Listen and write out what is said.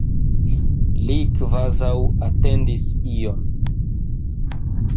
Li kvazaŭ atendis ion.